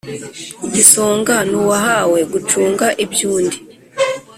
Igisonga ni uwahawe gucunga iby'undi.